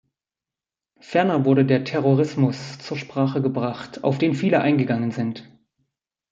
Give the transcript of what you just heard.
Ferner wurde der Terrorismus zur Sprache gebracht, auf den viele eingegangen sind.